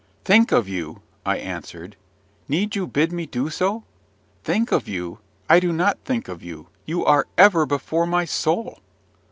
"Think of you!" I answered; "need you bid me do so? Think of you I do not think of you: you are ever before my soul!